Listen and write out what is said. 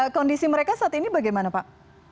kondisi mereka saat ini bagaimana pak